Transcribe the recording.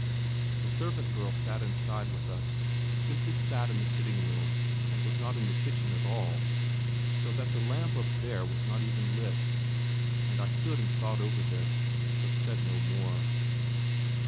The servant girl sat inside with us simply sat in the sitting room, and was not in the kitchen at all; so that the lamp up there was not even lit. And I stood and thought over this, but said no more.